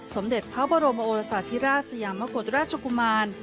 สมเด็จพระบรมโอรสาธิราชสยามกุฎราชกุมาร